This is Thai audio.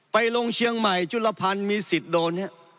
ไปลงเชียงใหม่จุลพันธ์มีสิทธิ์โดนครับ